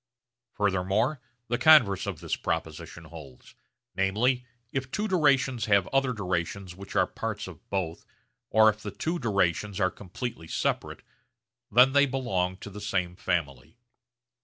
Furthermore the converse of this proposition holds; namely, if two durations have other durations which are parts of both or if the two durations are completely separate, then they belong to the same family.